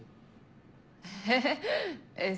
えっえっ？